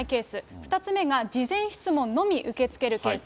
２つ目が事前質問のみ受け付けるケース。